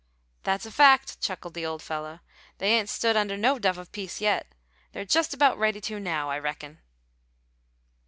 "That's a fact," chuckled the old fellow. "They ain't stood under no dove of peace yet; they're just about ready to now, I reckon."